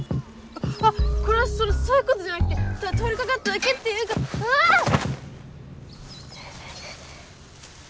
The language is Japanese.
あっこれはそういうことじゃなくてただ通りかかっただけっていうかうわあ！いててて。